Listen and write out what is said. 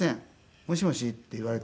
もしもし」って言われて。